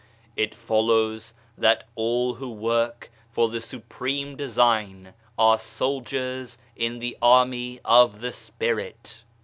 It follows that all who work for the Supreme Design are soldiers in the army of the spirit.